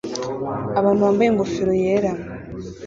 Abantu bambaye ingofero yera